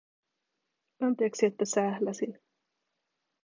Anteeksi että sähläsin.